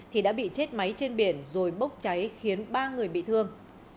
thì đã bị chết máy trên biển rồi bốc cháy khiến ba người bị thương